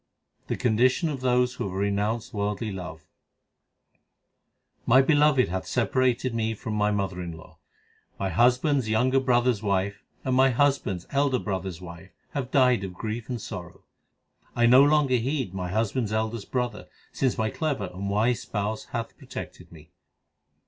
The condition of those who have renounced worldly love : My Beloved hath separated me from my mother in law : 2 My husband s younger brother s wife, 3 and my husband s elder brother s wife 4 have died of grief and sorrow. I no longer heed my husband s eldest brother, 5 Since my clever and wise Spouse hath protected me.